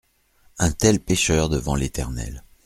Un tel pécheur devant l’Eternel !